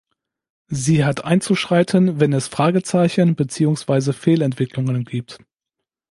Sie hat einzuschreiten, wenn es Fragezeichen beziehungsweise Fehlentwicklungen gibt.